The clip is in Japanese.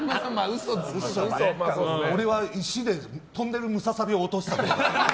俺は石で飛んでるムササビを落としたとか。